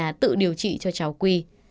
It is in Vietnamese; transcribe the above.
quang đã tự điều trị cho cháu quy